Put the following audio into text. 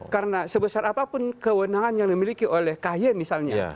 karena sebesar apapun kewenangan yang dimiliki oleh kaye misalnya